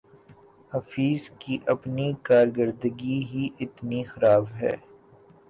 حفیظ کی اپنی کارکردگی ہی اتنی خراب ہے